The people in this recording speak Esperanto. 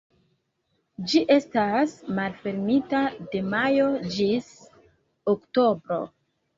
Ĝi estas malfermita de majo ĝis oktobro.